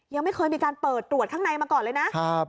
ยังไม่เคยมีการเปิดตรวจข้างในมาก่อนเลยนะ